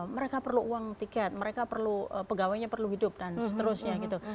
mereka perlu uang tiket mereka perlu pegawainya perlu hidup dan seterusnya gitu